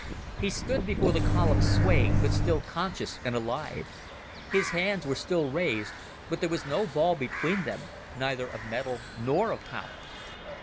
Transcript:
He stood before the column, swaying, but still conscious and alive. His hands were still raised, but there was no ball between them, neither of metal nor of power.